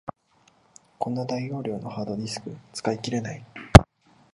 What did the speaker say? こんな大容量のハードディスク、使い切れない